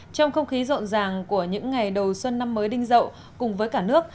trong không khí rộn ràng của những ngày đầu xuân năm mới đinh rậu cùng với cả nước